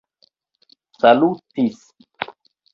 salutis